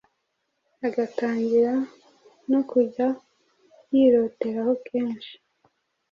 agatangira no kujya yiroteraho kenshi.